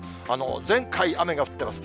前回、雨が降ってます。